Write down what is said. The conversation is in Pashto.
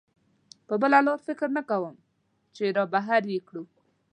په بله لاره فکر نه کوم چې را بهر یې کړو.